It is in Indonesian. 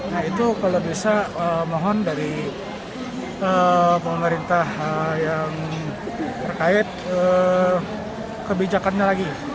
nah itu kalau bisa mohon dari pemerintah yang terkait kebijakannya lagi